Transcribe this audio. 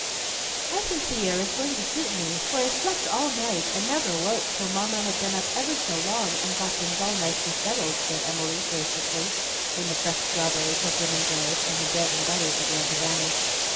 "I think the air is going to suit me, for I slept all night and never woke till Mamma had been up ever so long and got things all nicely settled," said Emily, graciously, when the fresh strawberries had been enjoyed, and the bread and butter began to vanish.